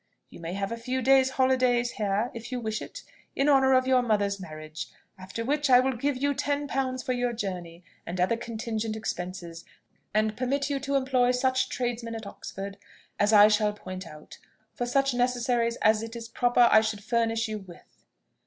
You may have a few days' holidays here if you wish it, in honour of your mother's marriage; after which I will give you ten pounds for your journey and other contingent expenses, and permit you to employ such tradesmen at Oxford as I shall point out, for such necessaries as it is proper I should furnish you with.